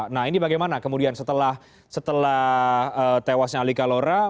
nah ini bagaimana kemudian setelah setelah tewasnya ali kalora mengantisipasi sekali lagi yang mereka yang bersimpati